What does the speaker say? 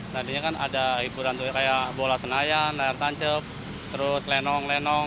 tadinya kan ada hiburan kayak bola senayan layar tancap terus lenong lenong